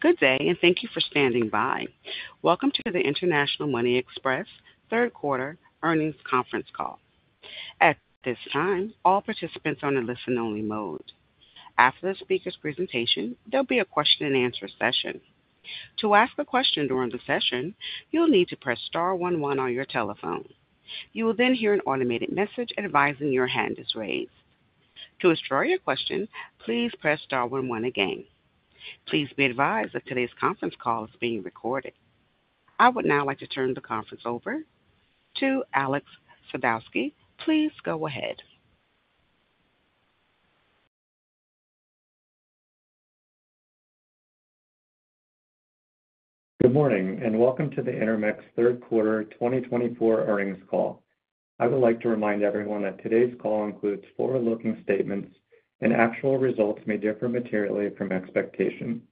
Good day, and thank you for standing by. Welcome to the International Money Express Third Quarter Earnings Conference Call. At this time, all participants are in a listen-only mode. After the speaker's presentation, there'll be a question-and-answer session. To ask a question during the session, you'll need to press star one one on your telephone. You will then hear an automated message advising your hand is raised. To withdraw your question, please press star one one again. Please be advised that today's conference call is being recorded. I would now like to turn the conference over to Alex Sadowski. Please go ahead. Good morning, and welcome to the Intermex third quarter 2024 earnings call. I would like to remind everyone that today's call includes forward-looking statements, and actual results may differ materially from expectation.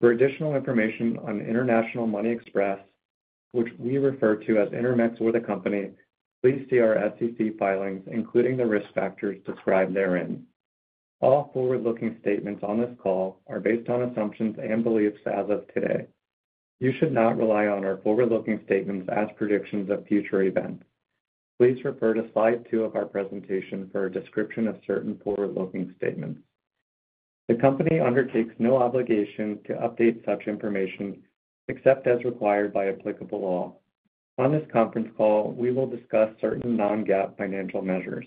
For additional information on International Money Express, which we refer to as Intermex or the company, please see our SEC filings, including the risk factors described therein. All forward-looking statements on this call are based on assumptions and beliefs as of today. You should not rely on our forward-looking statements as predictions of future events. Please refer to slide two of our presentation for a description of certain forward-looking statements. The company undertakes no obligation to update such information except as required by applicable law. On this conference call, we will discuss certain non-GAAP financial measures.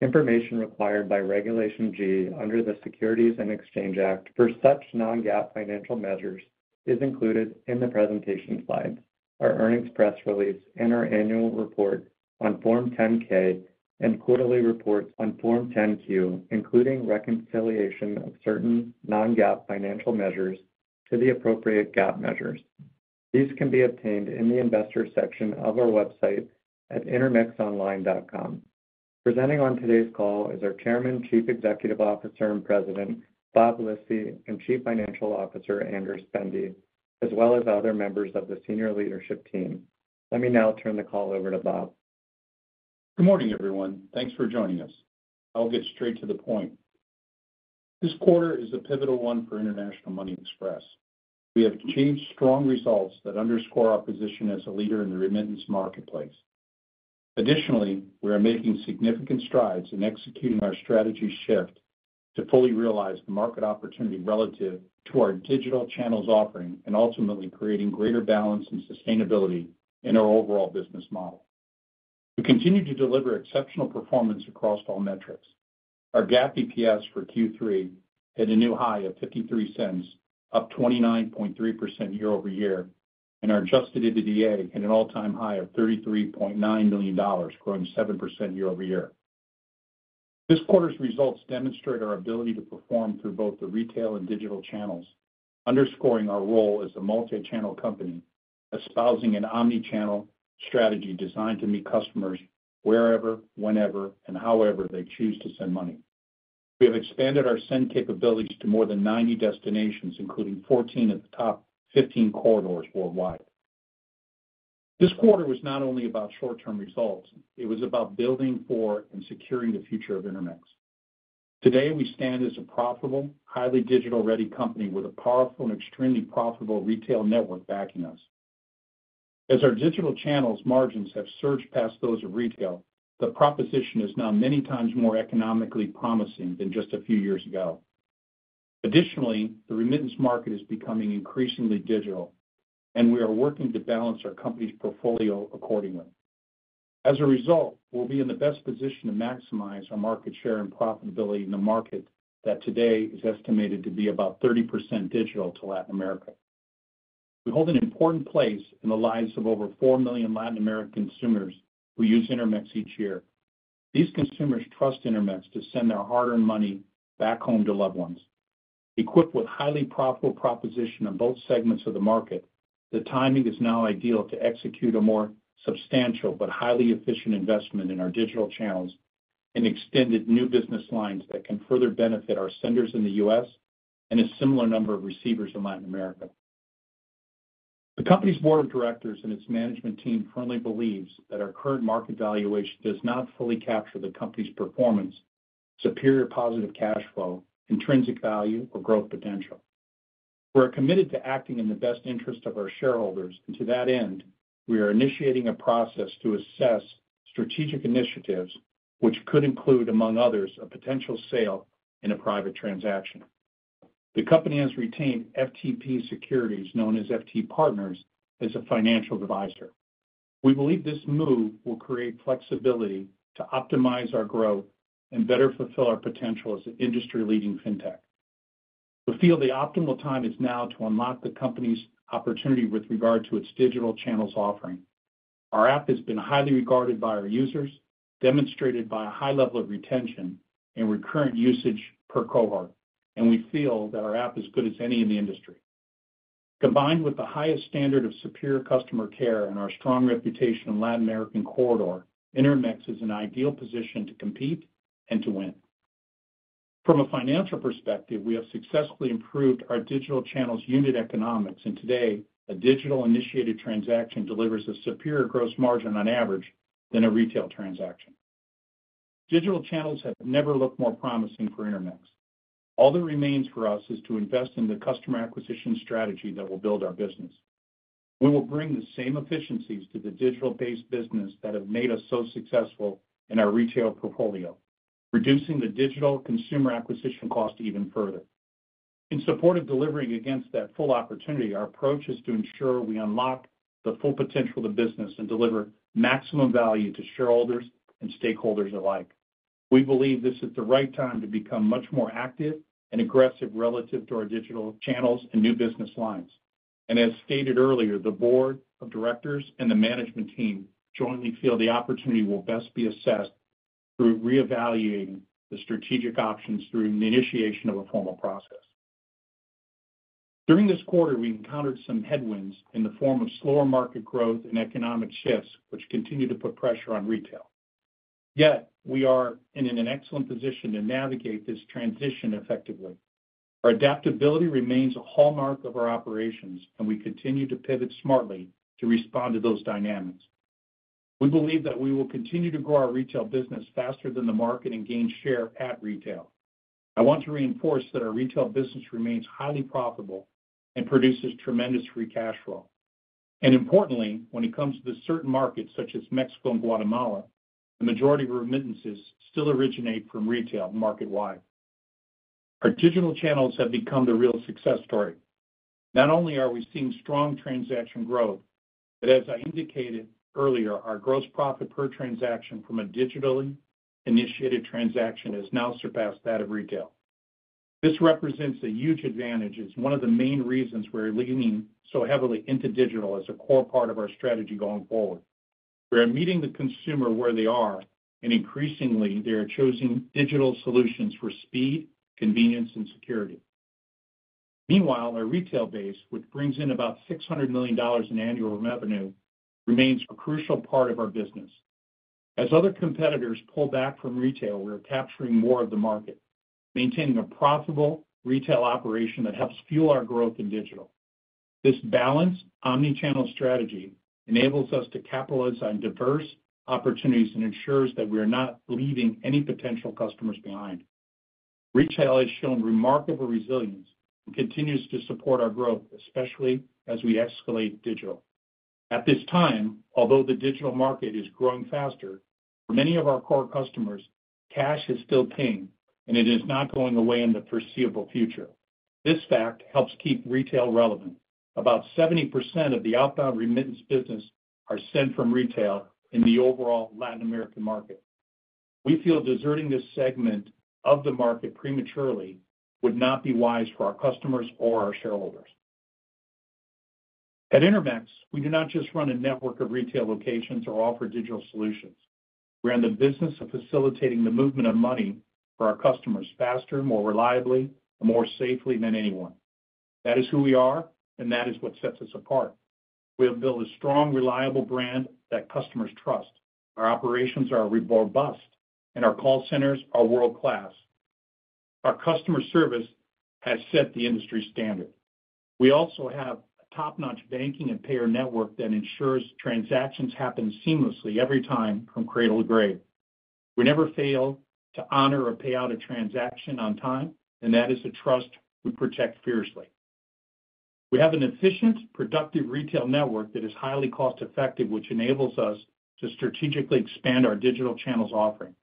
Information required by Regulation G under the Securities and Exchange Act for such non-GAAP financial measures is included in the presentation slides, our earnings press release, and our annual report on Form 10-K, and quarterly reports on Form 10-Q, including reconciliation of certain non-GAAP financial measures to the appropriate GAAP measures. These can be obtained in the investor section of our website at intermexonline.com. Presenting on today's call is our Chairman, Chief Executive Officer and President, Bob Lisy, and Chief Financial Officer, Andras Bende, as well as other members of the senior leadership team. Let me now turn the call over to Bob. Good morning, everyone. Thanks for joining us. I'll get straight to the point. This quarter is a pivotal one for International Money Express. We have achieved strong results that underscore our position as a leader in the remittance marketplace. Additionally, we are making significant strides in executing our strategy shift to fully realize the market opportunity relative to our digital channels offering, and ultimately creating greater balance and sustainability in our overall business model. We continue to deliver exceptional performance across all metrics. Our GAAP EPS for Q3 hit a new high of $0.53, up 29.3% year over year, and our adjusted EBITDA hit an all-time high of $33.9 million, growing 7% year over year. This quarter's results demonstrate our ability to perform through both the retail and digital channels, underscoring our role as a multi-channel company espousing an omnichannel strategy designed to meet customers wherever, whenever, and however they choose to send money. We have expanded our send capabilities to more than 90 destinations, including 14 of the top 15 corridors worldwide. This quarter was not only about short-term results. It was about building for and securing the future of Intermex. Today, we stand as a profitable, highly digital-ready company with a powerful and extremely profitable retail network backing us. As our digital channels' margins have surged past those of retail, the proposition is now many times more economically promising than just a few years ago. Additionally, the remittance market is becoming increasingly digital, and we are working to balance our company's portfolio accordingly. As a result, we'll be in the best position to maximize our market share and profitability in the market that today is estimated to be about 30% digital to Latin America. We hold an important place in the lives of over 4 million Latin American consumers who use Intermex each year. These consumers trust Intermex to send their hard-earned money back home to loved ones. Equipped with a highly profitable proposition on both segments of the market, the timing is now ideal to execute a more substantial but highly efficient investment in our digital channels and extended new business lines that can further benefit our senders in the U.S. and a similar number of receivers in Latin America. The company's board of directors and its management team firmly believe that our current market valuation does not fully capture the company's performance, superior positive cash flow, intrinsic value, or growth potential. We're committed to acting in the best interest of our shareholders, and to that end, we are initiating a process to assess strategic initiatives, which could include, among others, a potential sale in a private transaction. The company has retained FTP Securities, known as FT Partners, as a financial advisor. We believe this move will create flexibility to optimize our growth and better fulfill our potential as an industry-leading fintech. We feel the optimal time is now to unlock the company's opportunity with regard to its digital channels offering. Our app has been highly regarded by our users, demonstrated by a high level of retention and recurrent usage per cohort, and we feel that our app is as good as any in the industry. Combined with the highest standard of superior customer care and our strong reputation in the Latin American corridor, Intermex is in an ideal position to compete and to win. From a financial perspective, we have successfully improved our digital channels' unit economics, and today, a digital-initiated transaction delivers a superior gross margin on average than a retail transaction. Digital channels have never looked more promising for Intermex. All that remains for us is to invest in the customer acquisition strategy that will build our business. We will bring the same efficiencies to the digital-based business that have made us so successful in our retail portfolio, reducing the digital consumer acquisition cost even further. In support of delivering against that full opportunity, our approach is to ensure we unlock the full potential of the business and deliver maximum value to shareholders and stakeholders alike. We believe this is the right time to become much more active and aggressive relative to our digital channels and new business lines, and as stated earlier, the board of directors and the management team jointly feel the opportunity will best be assessed through reevaluating the strategic options through the initiation of a formal process. During this quarter, we encountered some headwinds in the form of slower market growth and economic shifts, which continue to put pressure on retail. Yet, we are in an excellent position to navigate this transition effectively. Our adaptability remains a hallmark of our operations, and we continue to pivot smartly to respond to those dynamics. We believe that we will continue to grow our retail business faster than the market and gain share at retail. I want to reinforce that our retail business remains highly profitable and produces tremendous free cash flow. Importantly, when it comes to certain markets such as Mexico and Guatemala, the majority of remittances still originate from retail market-wide. Our digital channels have become the real success story. Not only are we seeing strong transaction growth, but as I indicated earlier, our gross profit per transaction from a digitally initiated transaction has now surpassed that of retail. This represents a huge advantage as one of the main reasons we're leaning so heavily into digital as a core part of our strategy going forward. We are meeting the consumer where they are, and increasingly, they are choosing digital solutions for speed, convenience, and security. Meanwhile, our retail base, which brings in about $600 million in annual revenue, remains a crucial part of our business. As other competitors pull back from retail, we are capturing more of the market, maintaining a profitable retail operation that helps fuel our growth in digital. This balanced omnichannel strategy enables us to capitalize on diverse opportunities and ensures that we are not leaving any potential customers behind. Retail has shown remarkable resilience and continues to support our growth, especially as we escalate digital. At this time, although the digital market is growing faster, for many of our core customers, cash is still king, and it is not going away in the foreseeable future. This fact helps keep retail relevant. About 70% of the outbound remittance business is sent from retail in the overall Latin American market. We feel deserting this segment of the market prematurely would not be wise for our customers or our shareholders. At Intermex, we do not just run a network of retail locations or offer digital solutions. We are in the business of facilitating the movement of money for our customers faster, more reliably, and more safely than anyone. That is who we are, and that is what sets us apart. We have built a strong, reliable brand that customers trust. Our operations are robust, and our call centers are world-class. Our customer service has set the industry standard. We also have a top-notch banking and payer network that ensures transactions happen seamlessly every time from cradle to grave. We never fail to honor or pay out a transaction on time, and that is a trust we protect fiercely. We have an efficient, productive retail network that is highly cost-effective, which enables us to strategically expand our digital channels offering.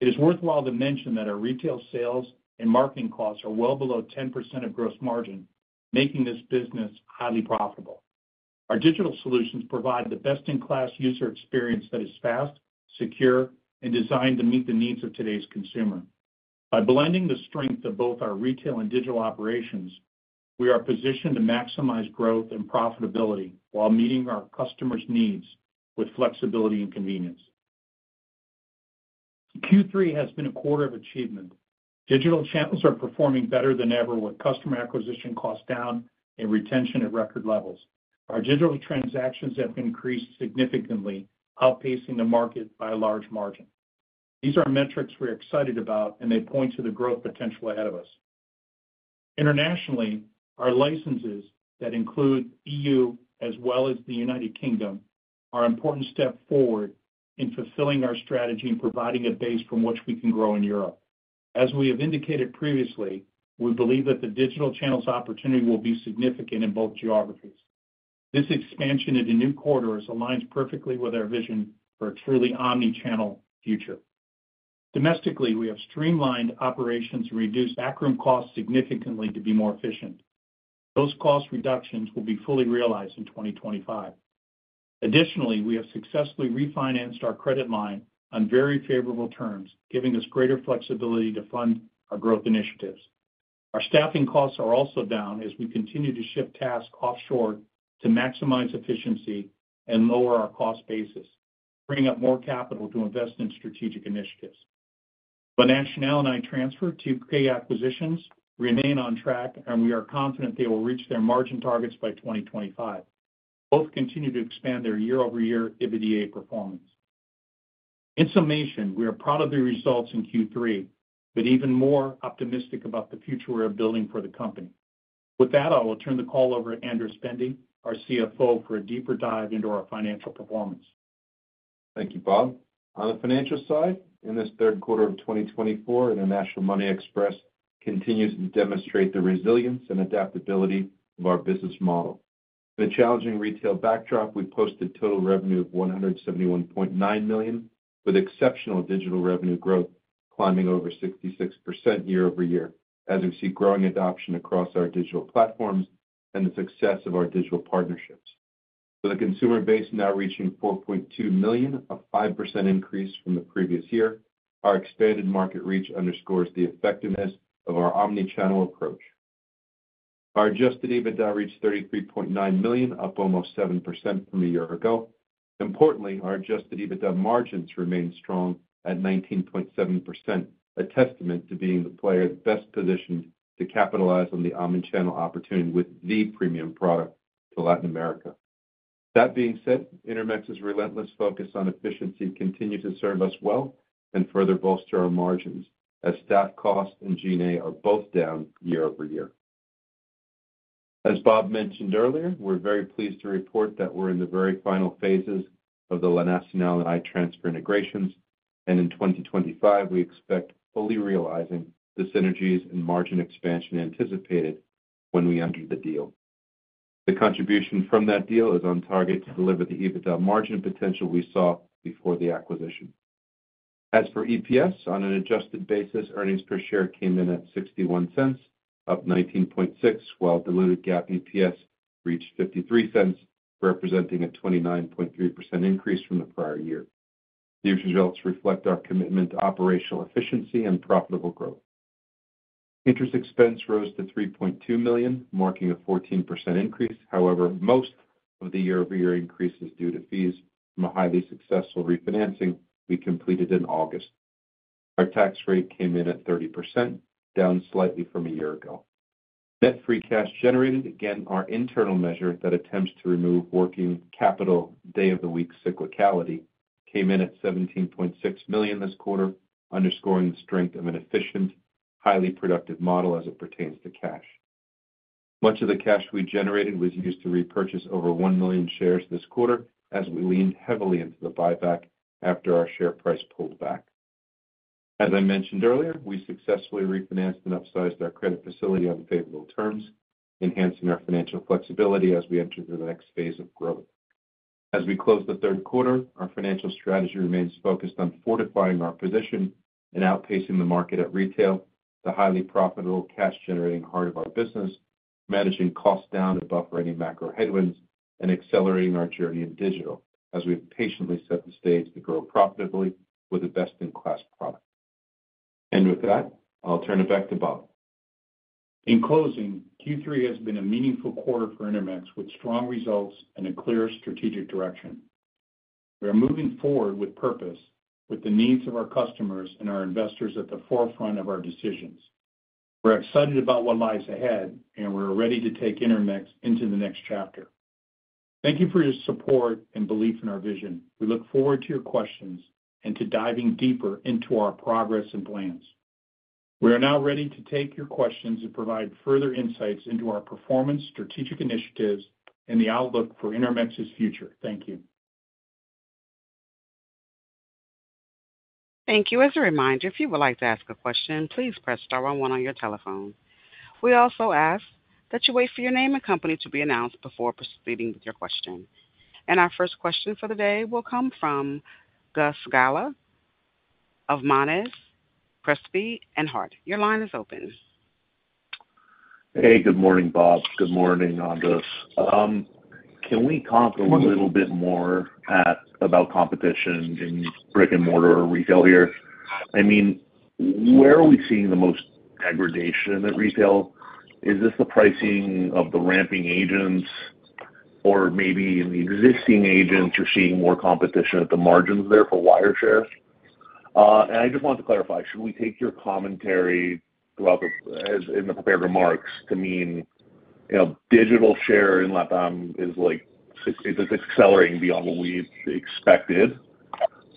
It is worthwhile to mention that our retail sales and marketing costs are well below 10% of gross margin, making this business highly profitable. Our digital solutions provide the best-in-class user experience that is fast, secure, and designed to meet the needs of today's consumer. By blending the strength of both our retail and digital operations, we are positioned to maximize growth and profitability while meeting our customers' needs with flexibility and convenience. Q3 has been a quarter of achievement. Digital channels are performing better than ever, with customer acquisition costs down and retention at record levels. Our digital transactions have increased significantly, outpacing the market by a large margin. These are metrics we're excited about, and they point to the growth potential ahead of us. Internationally, our licenses that include the EU as well as the United Kingdom are an important step forward in fulfilling our strategy and providing a base from which we can grow in Europe. As we have indicated previously, we believe that the digital channels opportunity will be significant in both geographies. This expansion into new quarters aligns perfectly with our vision for a truly omnichannel future. Domestically, we have streamlined operations and reduced backroom costs significantly to be more efficient. Those cost reductions will be fully realized in 2025. Additionally, we have successfully refinanced our credit line on very favorable terms, giving us greater flexibility to fund our growth initiatives. Our staffing costs are also down as we continue to shift tasks offshore to maximize efficiency and lower our cost basis, bringing up more capital to invest in strategic initiatives. The remittance transfer to U.K. acquisitions remains on track, and we are confident they will reach their margin targets by 2025. Both continue to expand their year-over-year EBITDA performance. In summation, we are proud of the results in Q3, but even more optimistic about the future we are building for the company. With that, I will turn the call over to Andras Bende, our CFO, for a deeper dive into our financial performance. Thank you, Bob. On the financial side, in this third quarter of 2024, International Money Express continues to demonstrate the resilience and adaptability of our business model. In a challenging retail backdrop, we posted total revenue of $171.9 million, with exceptional digital revenue growth climbing over 66% year over year, as we see growing adoption across our digital platforms and the success of our digital partnerships. With a consumer base now reaching 4.2 million, a 5% increase from the previous year, our expanded market reach underscores the effectiveness of our omnichannel approach. Our adjusted EBITDA reached $33.9 million, up almost 7% from a year ago. Importantly, our adjusted EBITDA margins remain strong at 19.7%, a testament to being the player best positioned to capitalize on the omnichannel opportunity with the premium product to Latin America. That being said, Intermex's relentless focus on efficiency continues to serve us well and further bolster our margins, as staff costs and G&A are both down year over year. As Bob mentioned earlier, we're very pleased to report that we're in the very final phases of the nationality transfer integrations, and in 2025, we expect fully realizing the synergies and margin expansion anticipated when we enter the deal. The contribution from that deal is on target to deliver the EBITDA margin potential we saw before the acquisition. As for EPS, on an adjusted basis, earnings per share came in at $0.61, up 19.6%, while diluted GAAP EPS reached $0.53, representing a 29.3% increase from the prior year. These results reflect our commitment to operational efficiency and profitable growth. Interest expense rose to $3.2 million, marking a 14% increase. However, most of the year-over-year increase is due to fees from a highly successful refinancing we completed in August. Our tax rate came in at 30%, down slightly from a year ago. Net free cash generated, again, our internal measure that attempts to remove working capital day-of-the-week cyclicality, came in at $17.6 million this quarter, underscoring the strength of an efficient, highly productive model as it pertains to cash. Much of the cash we generated was used to repurchase over one million shares this quarter, as we leaned heavily into the buyback after our share price pulled back. As I mentioned earlier, we successfully refinanced and upsized our credit facility on favorable terms, enhancing our financial flexibility as we entered the next phase of growth. As we close the third quarter, our financial strategy remains focused on fortifying our position and outpacing the market at retail, the highly profitable cash-generating heart of our business, managing costs down and buffering macro headwinds, and accelerating our journey in digital, as we have patiently set the stage to grow profitably with a best-in-class product, and with that, I'll turn it back to Bob. In closing, Q3 has been a meaningful quarter for Intermex, with strong results and a clear strategic direction. We are moving forward with purpose, with the needs of our customers and our investors at the forefront of our decisions. We're excited about what lies ahead, and we're ready to take Intermex into the next chapter. Thank you for your support and belief in our vision. We look forward to your questions and to diving deeper into our progress and plans. We are now ready to take your questions and provide further insights into our performance, strategic initiatives, and the outlook for Intermex's future. Thank you. Thank you. As a reminder, if you would like to ask a question, please press star 11 on your telephone. We also ask that you wait for your name and company to be announced before proceeding with your question. And our first question for the day will come from Gus Gala of Monness, Crespi, Hardt. Your line is open. Hey, good morning, Bob. Good morning, Andras. Can we talk a little bit more about competition in brick-and-mortar retail here? I mean, where are we seeing the most degradation in retail? Is this the pricing of the ramping agents, or maybe in the existing agents, you're seeing more competition at the margins there for wire share? And I just want to clarify, should we take your commentary throughout, in the prepared remarks to mean digital share in LatAm is like it's accelerating beyond what we expected?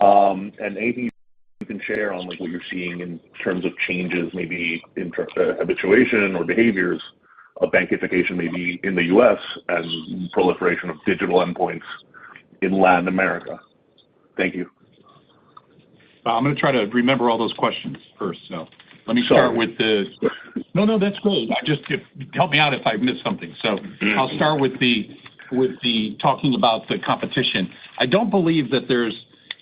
And anything you can share on what you're seeing in terms of changes, maybe habituation or behaviors of bankification, maybe in the U.S. and proliferation of digital endpoints in Latin America? Thank you. I'm going to try to remember all those questions first, so let me start with the. Sure. No, no, that's great. Just help me out if I missed something. So I'll start with the talking about the competition. I don't believe that there's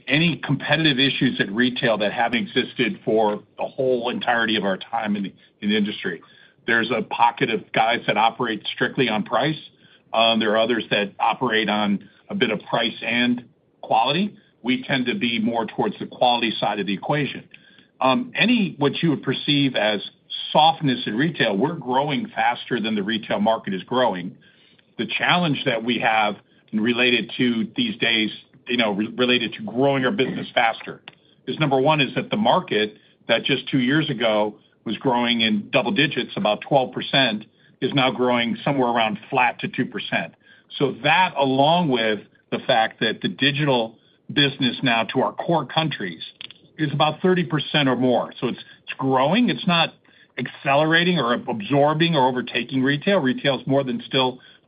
any competitive issues at retail that have existed for the whole entirety of our time in the industry. There's a pocket of guys that operate strictly on price. There are others that operate on a bit of price and quality. We tend to be more towards the quality side of the equation. Any what you would perceive as softness in retail, we're growing faster than the retail market is growing. The challenge that we have related to these days, related to growing our business faster, is number one is that the market that just two years ago was growing in double digits, about 12%, is now growing somewhere around flat to 2%. So that, along with the fact that the digital business now to our core countries is about 30% or more. So it's growing. It's not accelerating or absorbing or overtaking retail. Retail is still more than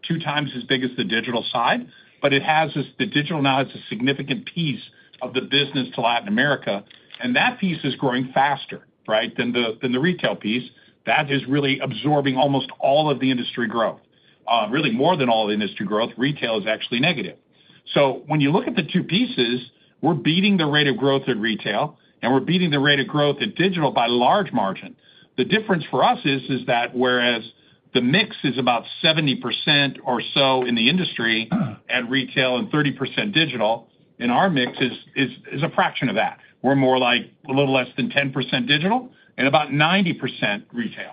two times as big as the digital side, but it has the digital now as a significant piece of the business to Latin America, and that piece is growing faster, right, than the retail piece. That is really absorbing almost all of the industry growth. Really, more than all the industry growth, retail is actually negative. So when you look at the two pieces, we're beating the rate of growth in retail, and we're beating the rate of growth in digital by a large margin. The difference for us is that whereas the mix is about 70% or so in the industry and retail and 30% digital, in our mix is a fraction of that. We're more like a little less than 10% digital and about 90% retail.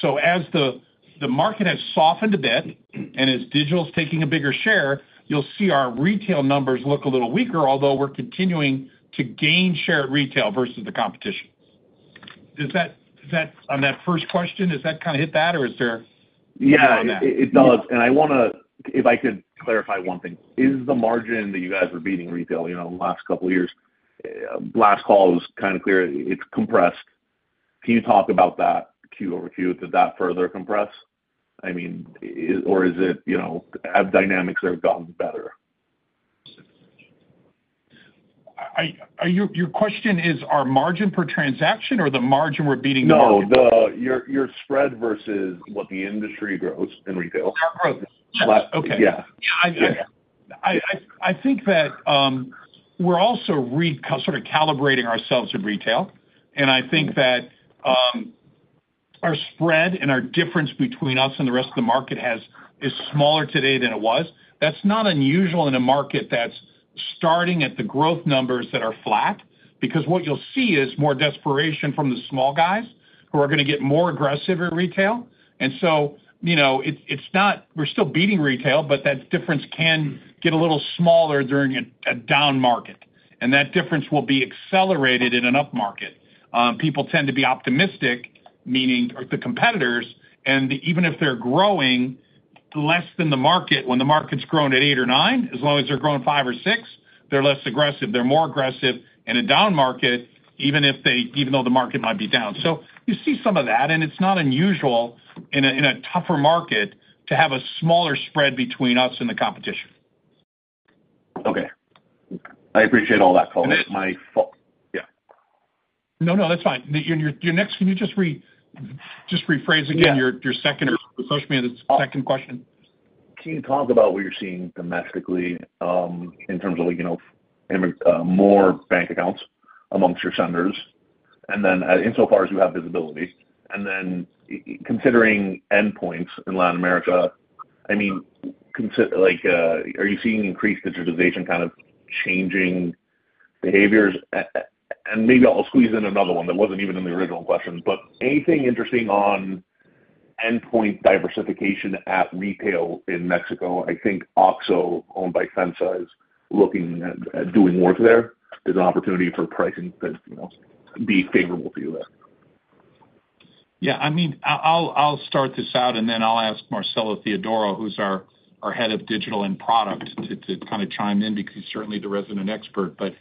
So as the market has softened a bit and as digital is taking a bigger share, you'll see our retail numbers look a little weaker, although we're continuing to gain share at retail versus the competition. Does that, on that first question, does that kind of hit that, or is there more than that? Yeah, it does. And I want to, if I could clarify one thing, is the margin that you guys are beating retail in the last couple of years? Last call was kind of clear. It's compressed. Can you talk about that Q over Q? Did that further compress? I mean, or is it have dynamics that have gotten better? Your question is our margin per transaction or the margin we're beating? No, your spread versus what the industry grows in retail. Our growth. Yeah. Yeah. I think that we're also sort of calibrating ourselves in retail, and I think that our spread and our difference between us and the rest of the market is smaller today than it was. That's not unusual in a market that's starting at the growth numbers that are flat, because what you'll see is more desperation from the small guys who are going to get more aggressive in retail. And so it's not we're still beating retail, but that difference can get a little smaller during a down market, and that difference will be accelerated in an up market. People tend to be optimistic, meaning the competitors, and even if they're growing less than the market, when the market's grown at eight or nine, as long as they're growing five or six, they're less aggressive. They're more aggressive in a down market, even though the market might be down. So you see some of that, and it's not unusual in a tougher market to have a smaller spread between us and the competition. Okay. I appreciate all that, Colin. My fault. Yeah. No, no, that's fine. You're next. Can you just rephrase again your second or refresh me on the second question? Can you talk about what you're seeing domestically in terms of more bank accounts amongst your senders? And then insofar as you have visibility. And then considering endpoints in Latin America, I mean, are you seeing increased digitization kind of changing behaviors? And maybe I'll squeeze in another one that wasn't even in the original question, but anything interesting on endpoint diversification at retail in Mexico? I think OXXO, owned by FEMSA, looking at doing work there. There's an opportunity for pricing to be favorable to you there. Yeah. I mean, I'll start this out, and then I'll ask Marcelo Theodoro, who's our head of digital and product, to kind of chime in, because he's certainly the resident expert. But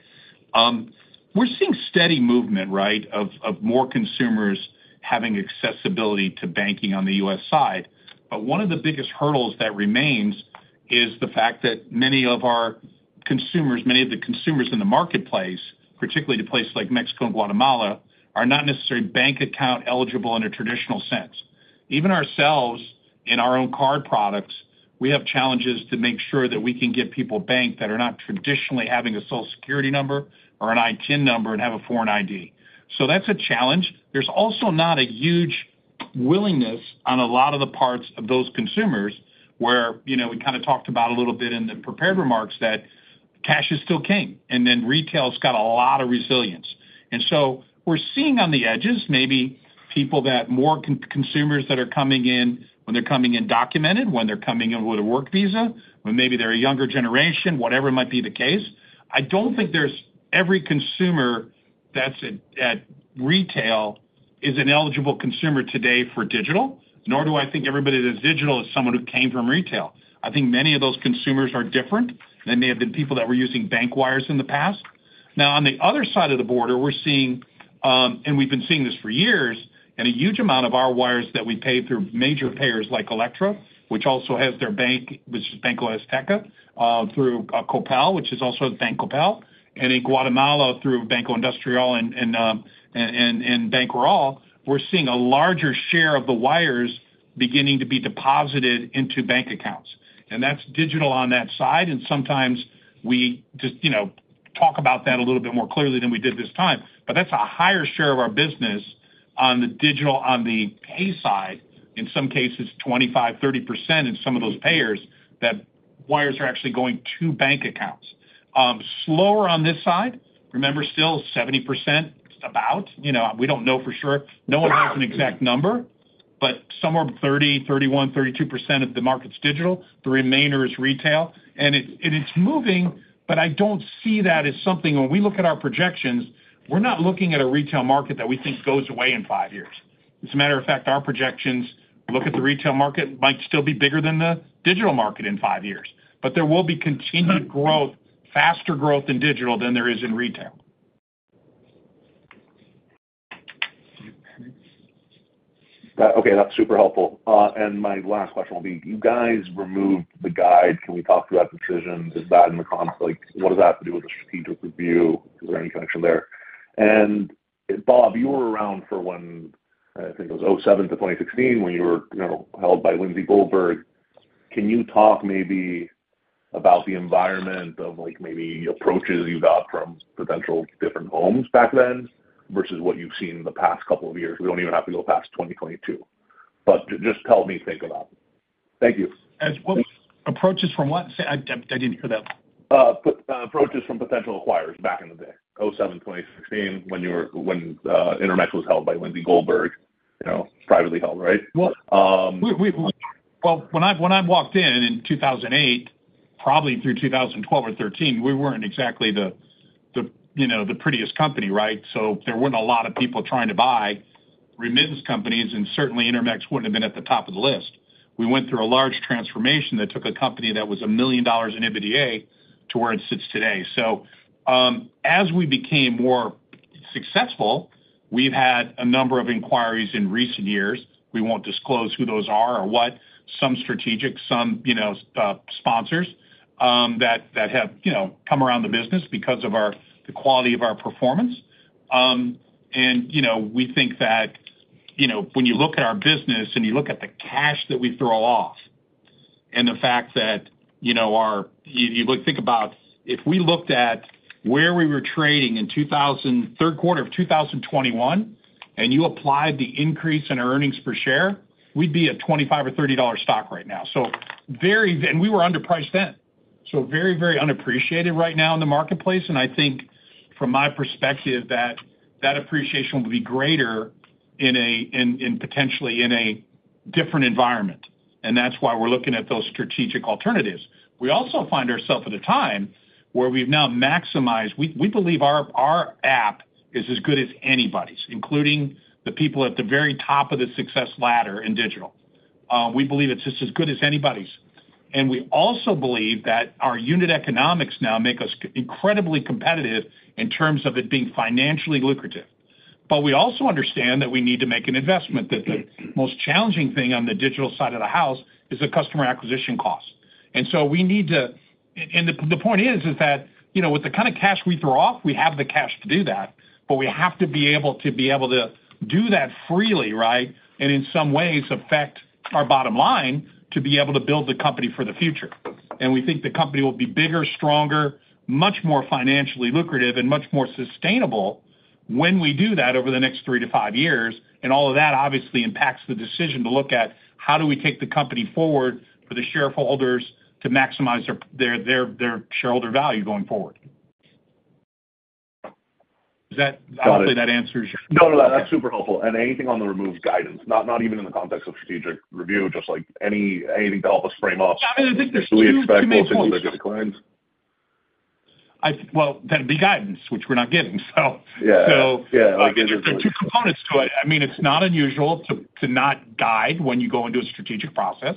we're seeing steady movement, right, of more consumers having accessibility to banking on the U.S. side. But one of the biggest hurdles that remains is the fact that many of our consumers, many of the consumers in the marketplace, particularly to places like Mexico and Guatemala, are not necessarily bank account eligible in a traditional sense. Even ourselves, in our own card products, we have challenges to make sure that we can get people banked that are not traditionally having a Social Security number or an ITIN number and have a foreign ID. So that's a challenge. There's also not a huge willingness on a lot of the parts of those consumers where we kind of talked about a little bit in the prepared remarks that cash is still king, and then retail's got a lot of resilience, and so we're seeing on the edges, maybe people that more consumers that are coming in when they're coming in documented, when they're coming in with a work visa, when maybe they're a younger generation, whatever might be the case. I don't think there's every consumer that's at retail is an eligible consumer today for digital, nor do I think everybody that's digital is someone who came from retail. I think many of those consumers are different. There may have been people that were using bank wires in the past. Now, on the other side of the border, we're seeing, and we've been seeing this for years, and a huge amount of our wires that we pay through major payers like Elektra, which also has their bank, which is Banco Azteca, through Coppel, which is also a bank, Coppel, and in Guatemala through Banco Industrial and Banrural, we're seeing a larger share of the wires beginning to be deposited into bank accounts. And that's digital on that side, and sometimes we just talk about that a little bit more clearly than we did this time, but that's a higher share of our business on the digital on the pay side, in some cases 25%-30% in some of those payers that wires are actually going to bank accounts. Slower on this side, remember still 70%. It's about. We don't know for sure. No one has an exact number, but somewhere 30%, 31%, 32% of the market's digital. The remainder is retail, and it's moving, but I don't see that as something when we look at our projections, we're not looking at a retail market that we think goes away in five years. As a matter of fact, our projections look at the retail market might still be bigger than the digital market in five years, but there will be continued growth, faster growth in digital than there is in retail. Okay. That's super helpful. And my last question will be, you guys removed the guide. Can we talk about the decision? Is that in the conflict? What does that have to do with the strategic review? Is there any connection there? And Bob, you were around for when, I think it was 2007 to 2016 when you were held by Lindsay Goldberg. Can you talk maybe about the environment of maybe approaches you got from potential different homes back then versus what you've seen in the past couple of years? We don't even have to go past 2022, but just help me think about it. Thank you. Approaches from what? I didn't hear that. Approaches from potential acquirers back in the day, 2007, 2016, when Intermex was held by Lindsay Goldberg, privately held, right? When I walked in in 2008, probably through 2012 or 2013, we weren't exactly the prettiest company, right? So there weren't a lot of people trying to buy remittance companies, and certainly Intermex wouldn't have been at the top of the list. We went through a large transformation that took a company that was $1 million in EBITDA to where it sits today. So as we became more successful, we've had a number of inquiries in recent years. We won't disclose who those are or what, some strategic, some sponsors that have come around the business because of the quality of our performance. And we think that when you look at our business and you look at the cash that we throw off and the fact that you think about if we looked at where we were trading in third quarter of 2021 and you applied the increase in our earnings per share, we'd be a $25 or $30 stock right now. And we were underpriced then. So very, very unappreciated right now in the marketplace. And I think from my perspective that that appreciation will be greater in potentially a different environment. And that's why we're looking at those strategic alternatives. We also find ourselves at a time where we've now maximized. We believe our app is as good as anybody's, including the people at the very top of the success ladder in digital. We believe it's just as good as anybody's. And we also believe that our unit economics now make us incredibly competitive in terms of it being financially lucrative. But we also understand that we need to make an investment. The most challenging thing on the digital side of the house is the customer acquisition cost. And so we need to, and the point is that with the kind of cash we throw off, we have the cash to do that, but we have to be able to do that freely, right, and in some ways affect our bottom line to be able to build the company for the future. And we think the company will be bigger, stronger, much more financially lucrative, and much more sustainable when we do that over the next three to five years. And all of that obviously impacts the decision to look at how do we take the company forward for the shareholders to maximize their shareholder value going forward. Does that answer your question? No, no, no. That's super helpful, and anything on the removed guidance, not even in the context of strategic review, just anything to help us frame up. I mean, I think there's two components. Do we expect more things to get clients? That'd be guidance, which we're not getting, so there's the two components to it. I mean, it's not unusual to not guide when you go into a strategic process.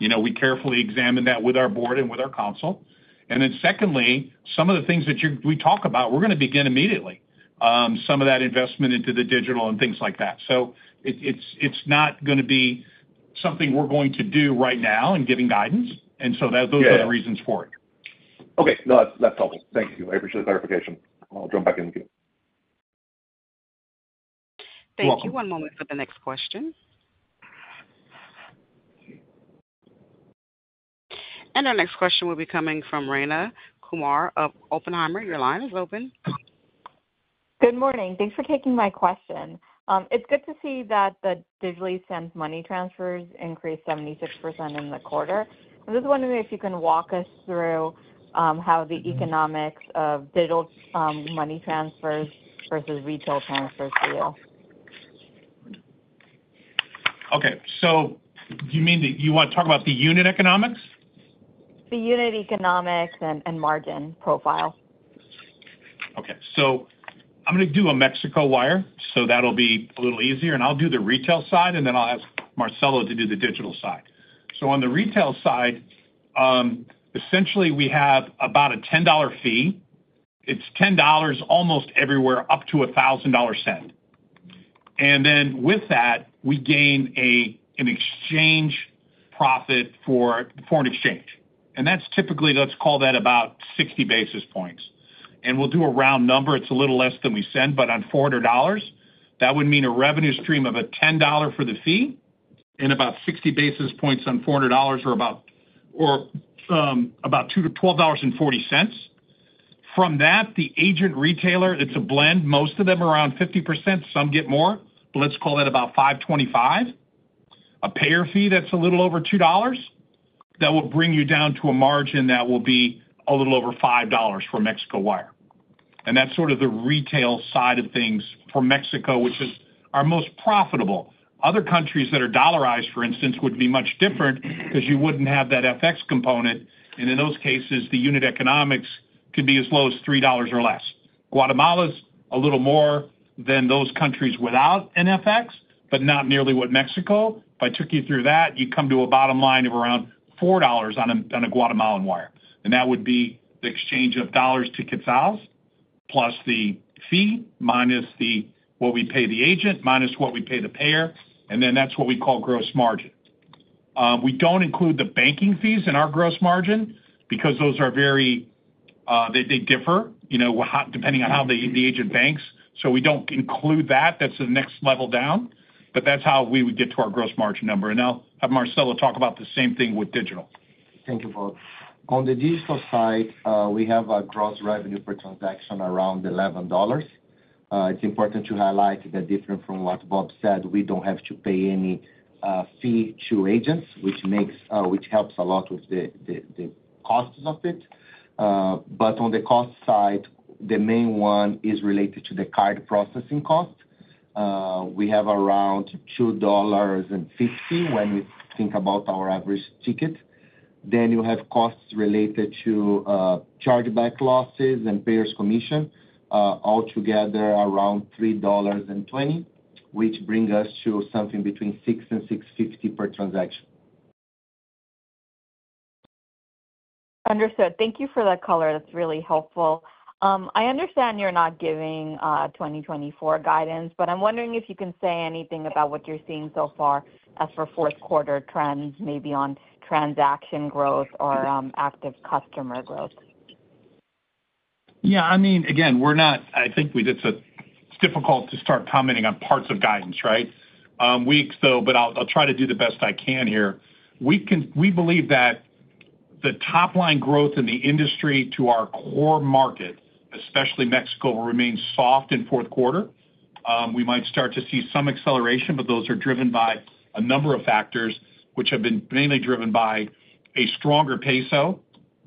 We carefully examine that with our board and with our counsel, and then secondly, some of the things that we talk about, we're going to begin immediately, some of that investment into the digital and things like that, so it's not going to be something we're going to do right now and giving guidance, and so those are the reasons for it. Okay. No, that's helpful. Thank you. I appreciate the clarification. I'll jump back in with you. Thank you. One moment for the next question. And our next question will be coming from Rayna Kumar of Oppenheimer. Your line is open. Good morning. Thanks for taking my question. It's good to see that the digitally sent money transfers increased 76% in the quarter. I was wondering if you can walk us through how the economics of digital money transfers versus retail transfers feel? Okay, so you mean that you want to talk about the unit economics? The unit economics and margin profile. Okay. So I'm going to do a Mexico wire, so that'll be a little easier. And I'll do the retail side, and then I'll ask Marcelo to do the digital side. So on the retail side, essentially, we have about a $10 fee. It's $10 almost everywhere up to a $1,000 send. And then with that, we gain an exchange profit for an exchange. And that's typically, let's call that about 60 basis points. And we'll do a round number. It's a little less than we send, but on $400, that would mean a revenue stream of a $10 for the fee and about 60 basis points on $400 or about $12.40. From that, the agent retailer, it's a blend, most of them around 50%, some get more, but let's call that about $5.25, a payer fee that's a little over $2 that will bring you down to a margin that will be a little over $5 for Mexico wire. That's sort of the retail side of things for Mexico, which is our most profitable. Other countries that are dollarized, for instance, would be much different because you wouldn't have that FX component. In those cases, the unit economics could be as low as $3 or less. Guatemala's a little more than those countries without an FX, but not nearly what Mexico. If I took you through that, you'd come to a bottom line of around $4 on a Guatemalan wire. That would be the exchange of dollars to quetzals, plus the fee, minus what we pay the agent, minus what we pay the payer, and then that's what we call gross margin. We don't include the banking fees in our gross margin because those vary, they differ depending on how the agent banks. So we don't include that. That's the next level down. But that's how we would get to our gross margin number. I'll have Marcelo talk about the same thing with digital. Thank you, Bob. On the digital side, we have a gross revenue per transaction around $11. It's important to highlight that different from what Bob said, we don't have to pay any fee to agents, which helps a lot with the costs of it. But on the cost side, the main one is related to the card processing cost. We have around $2.50 when we think about our average ticket. Then you have costs related to chargeback losses and payers' commission, altogether around $3.20, which brings us to something between $6-$6.50 per transaction. Understood. Thank you for the color. That's really helpful. I understand you're not giving 2024 guidance, but I'm wondering if you can say anything about what you're seeing so far as for fourth quarter trends, maybe on transaction growth or active customer growth. Yeah. I mean, again, we're not. I think we just it's difficult to start commenting on parts of guidance, right? But I'll try to do the best I can here. We believe that the top-line growth in the industry to our core market, especially Mexico, will remain soft in fourth quarter. We might start to see some acceleration, but those are driven by a number of factors, which have been mainly driven by a stronger peso,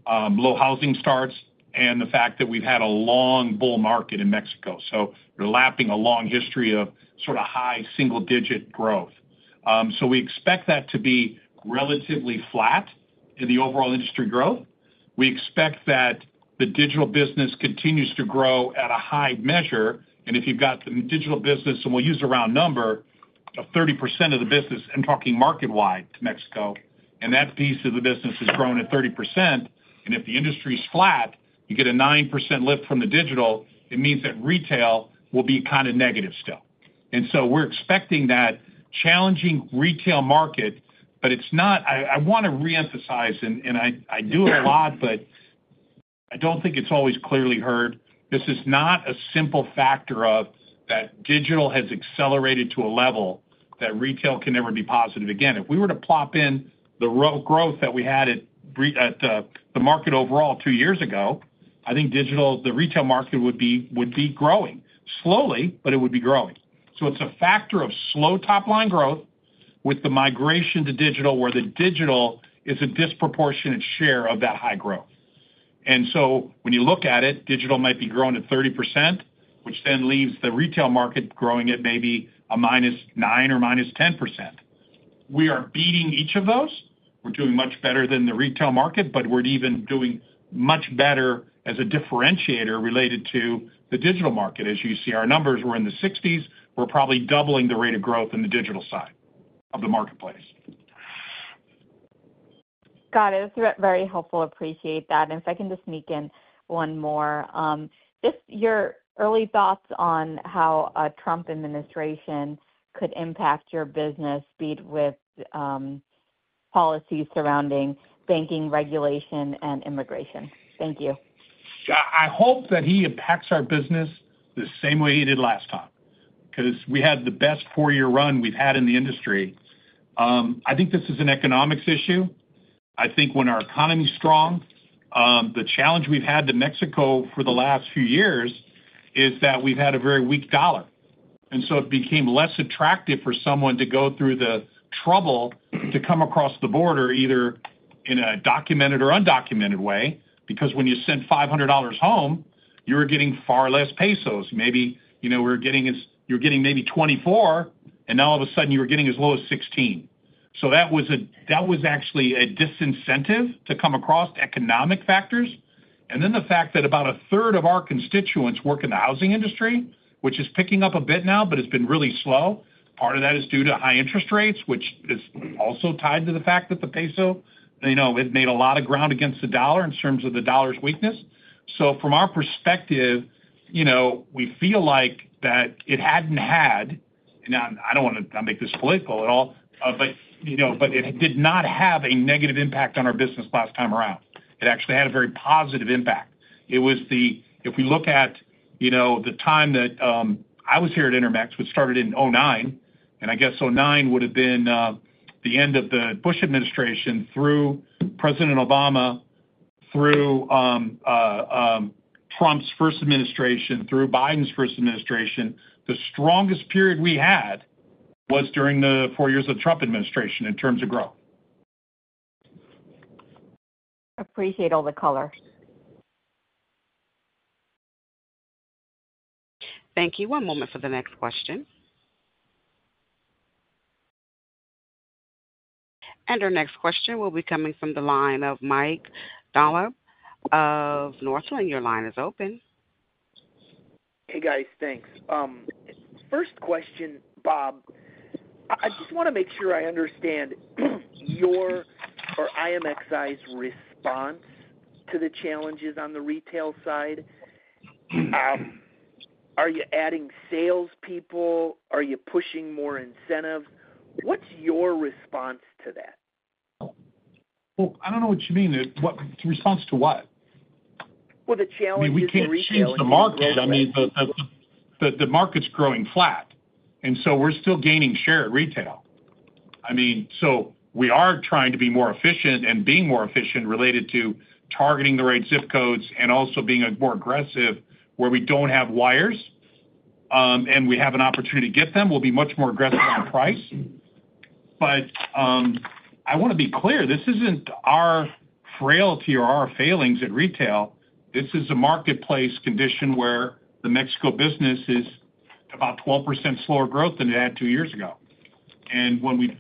low housing starts, and the fact that we've had a long bull market in Mexico. So we're lapping a long history of sort of high single-digit growth. So we expect that to be relatively flat in the overall industry growth. We expect that the digital business continues to grow at a high measure. And if you've got the digital business, and we'll use a round number of 30% of the business, I'm talking market-wide to Mexico, and that piece of the business has grown at 30%. And if the industry is flat, you get a 9% lift from the digital. It means that retail will be kind of negative still. And so we're expecting that challenging retail market, but it's not. I want to reemphasize, and I do it a lot, but I don't think it's always clearly heard. This is not a simple factor of that digital has accelerated to a level that retail can never be positive again. If we were to plop in the growth that we had at the market overall two years ago, I think digital, the retail market would be growing slowly, but it would be growing. So it's a factor of slow top-line growth with the migration to digital where the digital is a disproportionate share of that high growth. And so when you look at it, digital might be growing at 30%, which then leaves the retail market growing at maybe a minus 9% or minus 10%. We are beating each of those. We're doing much better than the retail market, but we're even doing much better as a differentiator related to the digital market. As you see our numbers, we're in the 60s. We're probably doubling the rate of growth in the digital side of the marketplace. Got it. That's very helpful. Appreciate that. And if I can just sneak in one more, just your early thoughts on how a Trump administration could impact your business, be it with policies surrounding banking regulation and immigration? Thank you. I hope that he impacts our business the same way he did last time because we had the best four-year run we've had in the industry. I think this is an economics issue. I think when our economy is strong, the challenge we've had to Mexico for the last few years is that we've had a very weak dollar. And so it became less attractive for someone to go through the trouble to come across the border either in a documented or undocumented way because when you sent $500 home, you were getting far less pesos. Maybe you're getting 24, and now all of a sudden, you were getting as low as 16. So that was actually a disincentive to come across economic factors. And then the fact that about a third of our constituents work in the housing industry, which is picking up a bit now, but it's been really slow. Part of that is due to high interest rates, which is also tied to the fact that the peso has made a lot of ground against the dollar in terms of the dollar's weakness. So from our perspective, we feel like that it hadn't had, and I don't want to make this political at all, but it did not have a negative impact on our business last time around. It actually had a very positive impact. It was, if we look at the time that I was here at Intermex, which started in 2009, and I guess 2009 would have been the end of the Bush administration through President Obama, through Trump's first administration, through Biden's first administration, the strongest period we had was during the four years of the Trump administration in terms of growth. Appreciate all the color. Thank you. One moment for the next question. And our next question will be coming from the line of Mike Grondahl of Northland Securities. Your line is open. Hey, guys. Thanks. First question, Bob, I just want to make sure I understand your or IMXI's response to the challenges on the retail side. Are you adding salespeople? Are you pushing more incentives? What's your response to that? I don't know what you mean. Response to what? The challenge is retail. We can't change the market. I mean, the market's growing flat. And so we're still gaining share of retail. I mean, so we are trying to be more efficient and being more efficient related to targeting the right zip codes and also being more aggressive where we don't have wires and we have an opportunity to get them, we'll be much more aggressive on price. But I want to be clear, this isn't our frailty or our failings at retail. This is a marketplace condition where the Mexico business is about 12% slower growth than it had two years ago. And when we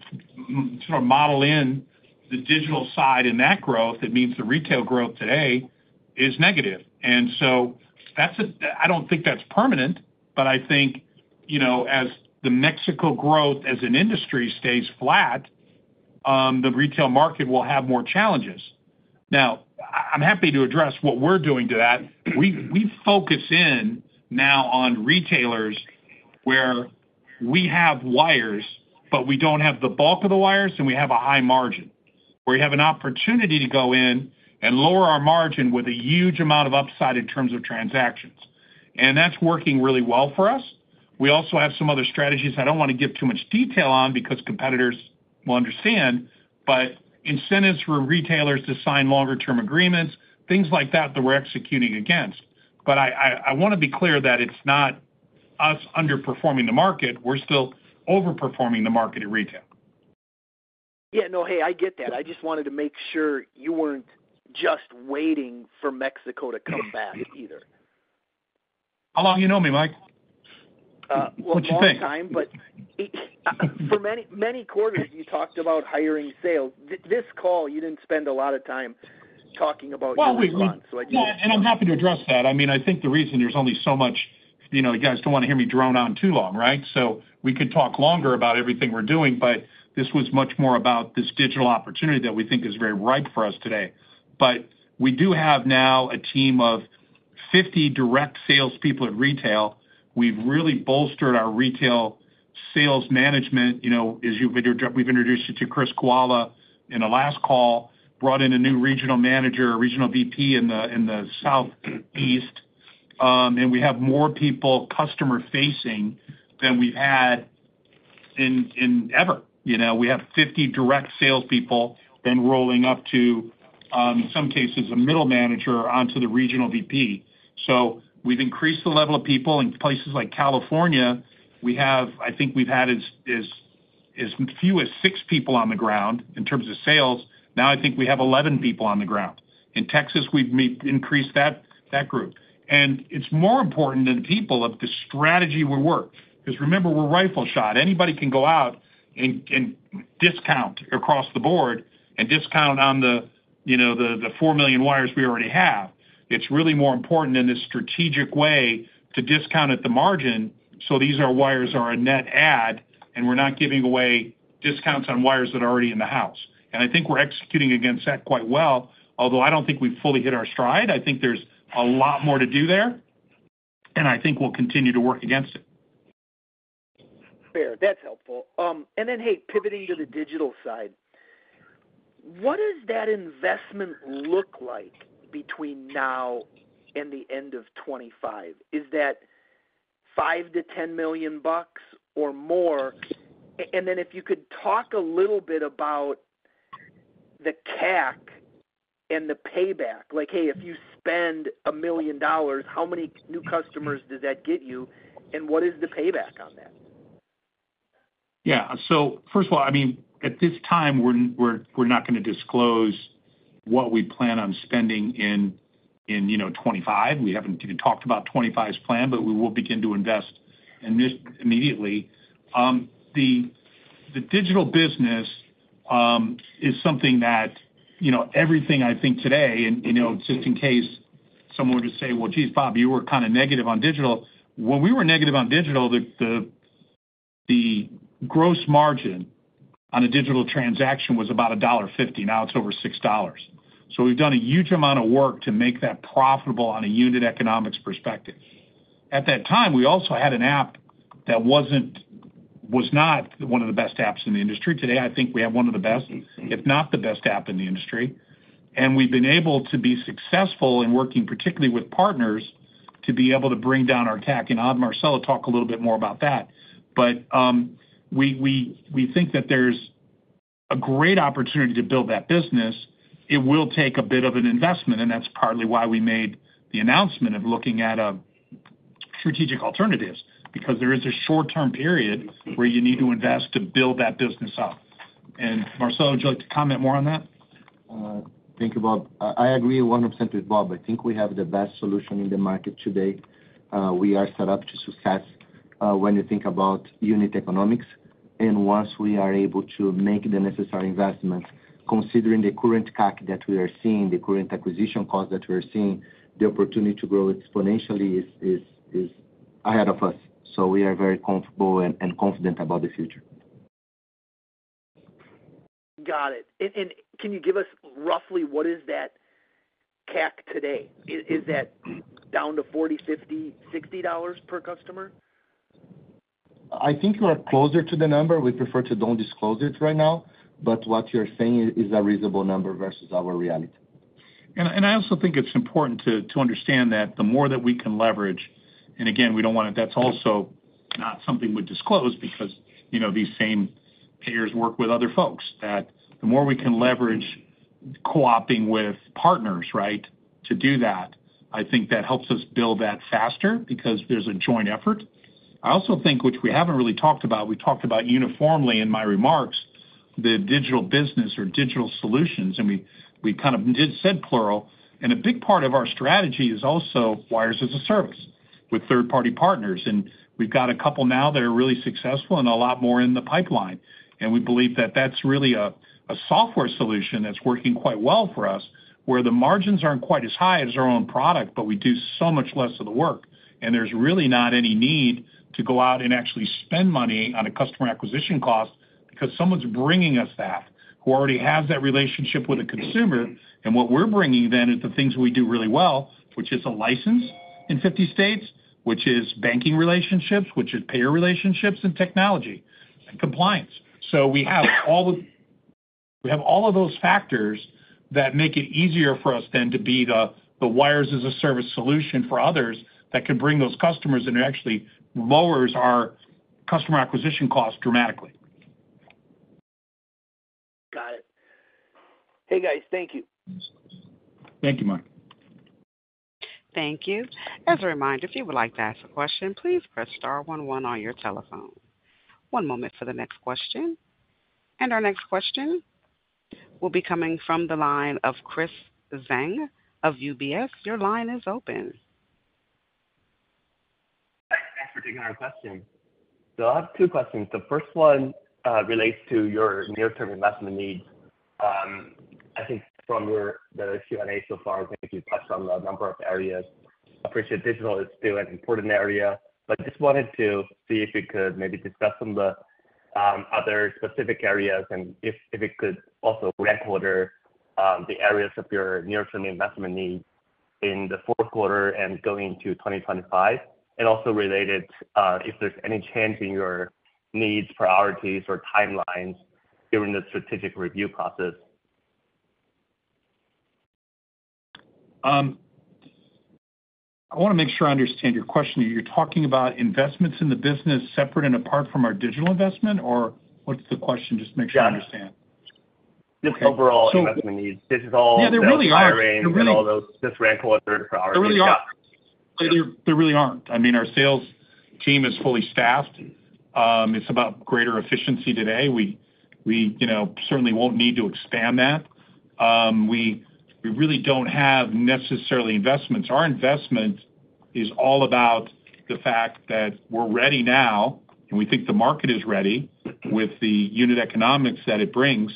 sort of model in the digital side in that growth, it means the retail growth today is negative. And so I don't think that's permanent, but I think as the Mexico growth as an industry stays flat, the retail market will have more challenges. Now, I'm happy to address what we're doing to that. We focus in now on retailers where we have wires, but we don't have the bulk of the wires, and we have a high margin, where we have an opportunity to go in and lower our margin with a huge amount of upside in terms of transactions. And that's working really well for us. We also have some other strategies I don't want to give too much detail on because competitors will understand, but incentives for retailers to sign longer-term agreements, things like that that we're executing against. But I want to be clear that it's not us underperforming the market. We're still overperforming the market in retail. Yeah. No, hey, I get that. I just wanted to make sure you weren't just waiting for Mexico to come back either. How long you know me, Mike? What you think? For a long time, but for many quarters, you talked about hiring sales. This call, you didn't spend a lot of time talking about sales runs. We did. Yeah. I'm happy to address that. I mean, I think the reason there's only so much you guys don't want to hear me drone on too long, right? We could talk longer about everything we're doing, but this was much more about this digital opportunity that we think is very ripe for us today. We do have now a team of 50 direct salespeople at retail. We've really bolstered our retail sales management. As you've introduced it to Chris Kawala in the last call, brought in a new regional manager, a regional VP in the Southeast. We have more people customer-facing than we've had ever. We have 50 direct salespeople then rolling up to, in some cases, a middle manager onto the regional VP. We've increased the level of people. In places like California, I think we've had as few as six people on the ground in terms of sales. Now, I think we have 11 people on the ground. In Texas, we've increased that group, and it's more important than people of the strategy we work because remember, we're rifle-shot. Anybody can go out and discount across the board and discount on the 4 million wires we already have. It's really more important in this strategic way to discount at the margin, so these wires are a net add, and we're not giving away discounts on wires that are already in the house, and I think we're executing against that quite well, although I don't think we've fully hit our stride. I think there's a lot more to do there, and I think we'll continue to work against it. Fair. That's helpful. And then, hey, pivoting to the digital side, what does that investment look like between now and the end of 2025? Is that $5 million-$10 million or more? And then if you could talk a little bit about the CAC and the payback, like, "Hey, if you spend $1 million, how many new customers does that get you? And what is the payback on that? Yeah, so first of all, I mean, at this time, we're not going to disclose what we plan on spending in 2025. We haven't even talked about 2025's plan, but we will begin to invest immediately. The digital business is something that, everything I think today, and just in case someone were to say, "Well, geez, Bob, you were kind of negative on digital." When we were negative on digital, the gross margin on a digital transaction was about $1.50. Now it's over $6, so we've done a huge amount of work to make that profitable on a unit economics perspective. At that time, we also had an app that was not one of the best apps in the industry. Today, I think we have one of the best, if not the best, app in the industry. We've been able to be successful in working, particularly with partners, to be able to bring down our CAC. And our Marcelo will talk a little bit more about that. But we think that there's a great opportunity to build that business. It will take a bit of an investment, and that's partly why we made the announcement of looking at strategic alternatives because there is a short-term period where you need to invest to build that business up. And Marcelo, would you like to comment more on that? Thank you, Bob. I agree 100% with Bob. I think we have the best solution in the market today. We are set up to success when you think about unit economics. And once we are able to make the necessary investments, considering the current CAC that we are seeing, the current acquisition cost that we're seeing, the opportunity to grow exponentially is ahead of us. So we are very comfortable and confident about the future. Got it. And can you give us roughly what is that CAC today? Is that down to $40, $50, $60 per customer? I think we're closer to the number. We prefer to don't disclose it right now, but what you're saying is a reasonable number versus our reality. I also think it's important to understand that the more that we can leverage, and again, we don't want to, that's also not something we disclose because these same payers work with other folks, that the more we can leverage co-oping with partners, right, to do that. I think that helps us build that faster because there's a joint effort. I also think, which we haven't really talked about, we talked about uniformly in my remarks, the digital business or digital solutions, and we kind of did say plural. A big part of our strategy is also Wires as a Service with third-party partners. We've got a couple now that are really successful and a lot more in the pipeline. We believe that that's really a software solution that's working quite well for us where the margins aren't quite as high as our own product, but we do so much less of the work. There's really not any need to go out and actually spend money on a customer acquisition cost because someone's bringing us that who already has that relationship with a consumer. What we're bringing then is the things we do really well, which is a license in 50 states, which is banking relationships, which is payer relationships and technology and compliance. We have all of those factors that make it easier for us then to be the Wires as a Service solution for others that can bring those customers and actually lowers our customer acquisition cost dramatically. Got it. Hey, guys. Thank you. Thank you, Mike. Thank you. As a reminder, if you would like to ask a question, please press star one one on your telephone. One moment for the next question. And our next question will be coming from the line of Chris Zhang of UBS. Your line is open. Thanks for taking our question. So I have two questions. The first one relates to your near-term investment needs. I think from the Q&A so far, I think you touched on a number of areas. I appreciate that digital is still an important area, but just wanted to see if we could maybe discuss some of the other specific areas and if you could also recap the areas of your near-term investment needs in the fourth quarter and going into 2025, and also related, if there's any change in your needs, priorities, or timelines during the strategic review process. I want to make sure I understand your question. You're talking about investments in the business separate and apart from our digital investment, or what's the question? Just to make sure I understand. Yeah. Just overall investment needs. Digital wiring. Yeah, there really are. There really are. Just rank order priorities. There really are. They really aren't. I mean, our sales team is fully staffed. It's about greater efficiency today. We certainly won't need to expand that. We really don't have necessarily investments. Our investment is all about the fact that we're ready now, and we think the market is ready with the unit economics that it brings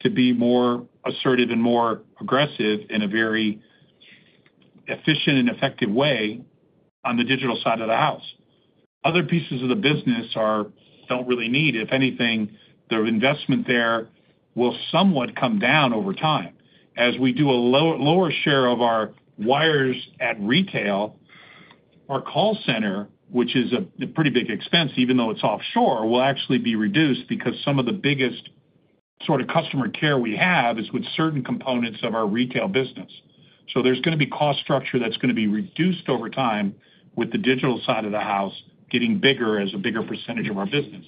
to be more assertive and more aggressive in a very efficient and effective way on the digital side of the house. Other pieces of the business don't really need, if anything, the investment there will somewhat come down over time. As we do a lower share of our wires at retail, our call center, which is a pretty big expense, even though it's offshore, will actually be reduced because some of the biggest sort of customer care we have is with certain components of our retail business. So there's going to be cost structure that's going to be reduced over time with the digital side of the house getting bigger as a bigger percentage of our business.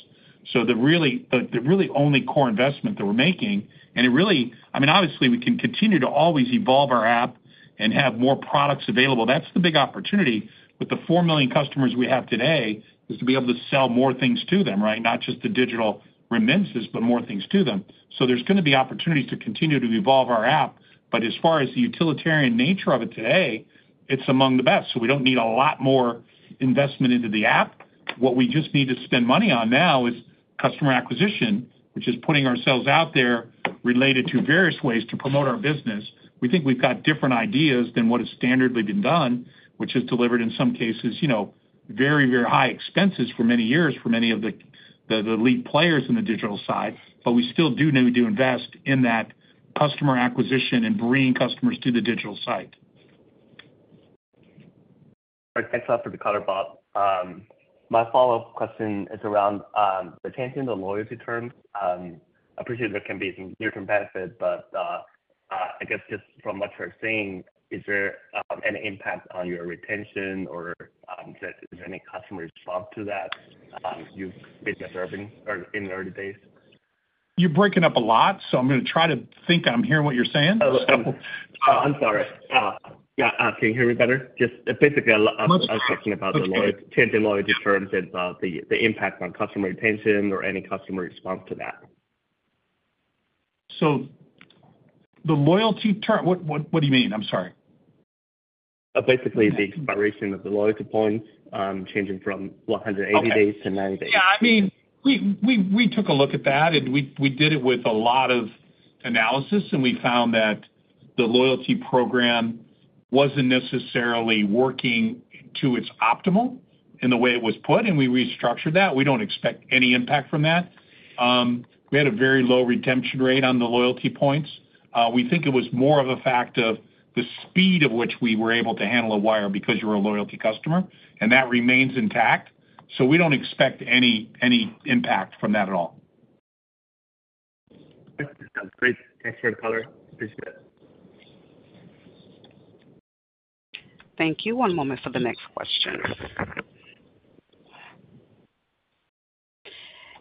So the really only core investment that we're making, and it really—I mean, obviously, we can continue to always evolve our app and have more products available. That's the big opportunity with the 4 million customers we have today is to be able to sell more things to them, right? Not just the digital remittances, but more things to them. So there's going to be opportunities to continue to evolve our app. But as far as the utilitarian nature of it today, it's among the best. So we don't need a lot more investment into the app. What we just need to spend money on now is customer acquisition, which is putting ourselves out there related to various ways to promote our business. We think we've got different ideas than what has standardly been done, which has delivered in some cases very, very high expenses for many years for many of the lead players in the digital side, but we still do need to invest in that customer acquisition and bringing customers to the digital site. Thanks a lot for the color, Bob. My follow-up question is around retention and the loyalty term. I appreciate there can be some near-term benefit, but I guess just from what you're saying, is there any impact on your retention, or is there any customer response to that you've been observing in the early days? You're breaking up a lot, so I'm going to try to think I'm hearing what you're saying. I'm sorry. Yeah. Can you hear me better? Just basically, I was asking about the loyalty terms and the impact on customer retention or any customer response to that. So the loyalty term, what do you mean? I'm sorry. Basically, the expiration of the loyalty points changing from 180 days to 90 days. Yeah. I mean, we took a look at that, and we did it with a lot of analysis, and we found that the loyalty program wasn't necessarily working to its optimal in the way it was put, and we restructured that. We don't expect any impact from that. We had a very low retention rate on the loyalty points. We think it was more of a fact of the speed of which we were able to handle a wire because you're a loyalty customer, and that remains intact. So we don't expect any impact from that at all. Great. Thanks for the color. Appreciate it. Thank you. One moment for the next question,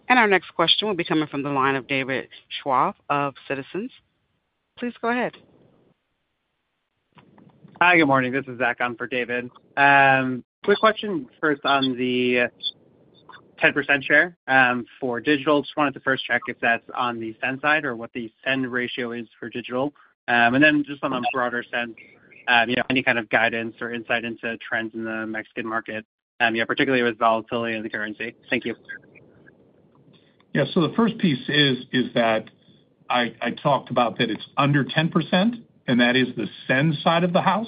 and our next question will be coming from the line of David Scharf of Citizens JMP. Please go ahead. Hi, good morning. This is Zach on for David. Quick question first on the 10% share for digital. Just wanted to first check if that's on the SEND side or what the SEND ratio is for digital. And then just on a broader sense, any kind of guidance or insight into trends in the Mexican market, particularly with volatility in the currency. Thank you. Yeah. So the first piece is that I talked about that it's under 10%, and that is the SEND side of the house.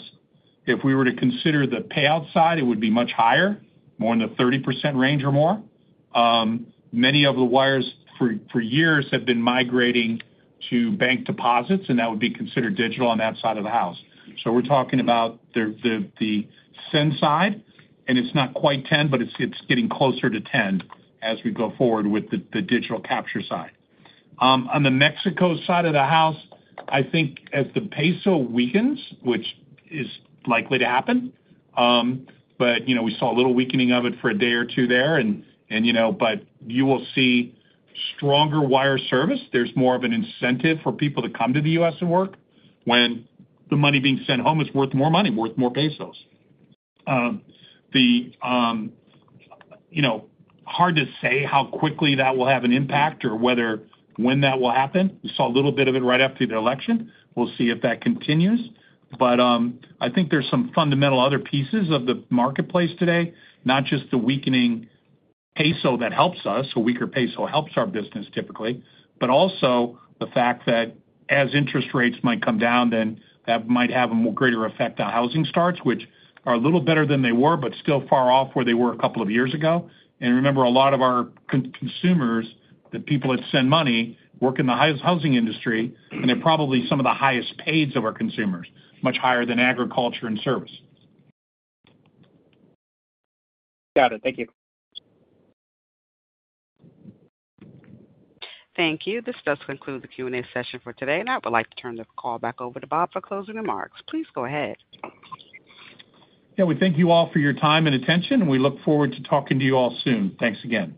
If we were to consider the payout side, it would be much higher, more in the 30% range or more. Many of the wires for years have been migrating to bank deposits, and that would be considered digital on that side of the house. So we're talking about the SEND side, and it's not quite 10, but it's getting closer to 10 as we go forward with the digital capture side. On the Mexico side of the house, I think as the peso weakens, which is likely to happen, but we saw a little weakening of it for a day or two there. But you will see stronger wire service. There's more of an incentive for people to come to the U.S. and work when the money being sent home is worth more money, worth more pesos. Hard to say how quickly that will have an impact or when that will happen. We saw a little bit of it right after the election. We'll see if that continues. But I think there's some fundamental other pieces of the marketplace today, not just the weakening peso that helps us. A weaker peso helps our business typically, but also the fact that as interest rates might come down, then that might have a greater effect on housing starts, which are a little better than they were, but still far off where they were a couple of years ago. Remember, a lot of our consumers, the people that send money, work in the highest housing industry, and they're probably some of the highest paid of our consumers, much higher than agriculture and service. Got it. Thank you. Thank you. This does conclude the Q&A session for today. And I would like to turn the call back over to Bob for closing remarks. Please go ahead. Yeah. We thank you all for your time and attention, and we look forward to talking to you all soon. Thanks again.